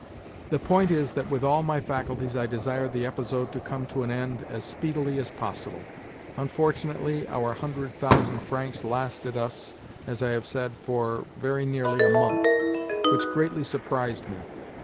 The point is that with all my faculties I desired the episode to come to an end as speedily as possible. Unfortunately, our hundred thousand francs lasted us, as I have said, for very nearly a month—which greatly surprised me.